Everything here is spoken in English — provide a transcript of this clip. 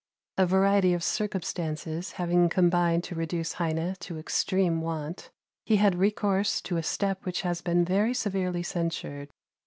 A variety of circumstances having combined to reduce Heine to extreme want, he had recourse to a step which has been very severely censured.